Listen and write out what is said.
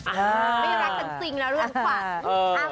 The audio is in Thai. ไม่รักจังจริงนะร่วมฝั่ง